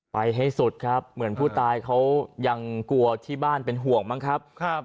ไปให้สุดครับเหมือนผู้ตายเขายังกลัวที่บ้านเป็นห่วงบ้างครับ